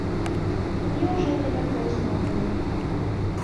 Мне ўжо не да кроснаў было.